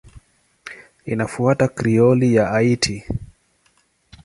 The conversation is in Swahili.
Inafuata Krioli ya Haiti.